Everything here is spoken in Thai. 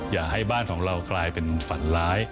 อย่าให้บ้านของเรากลายเป็นฝันร้าย